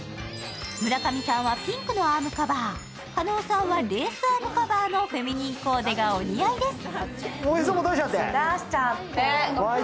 村上さんはピンクのアームカバー、加納さんはレースアームカバーのフェミニンコーデがお似合いです。